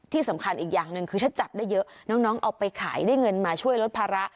ที่สำคัญอีกอย่างหนึ่งคือถ้าจับได้เยอะน้องเอาไปขายได้เงินมาช่วยลดภาระ